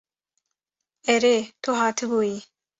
Erê tu hatibûyî.